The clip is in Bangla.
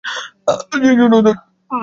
সেইজন্যই তো আসিয়াছি।